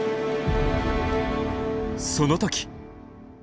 その時！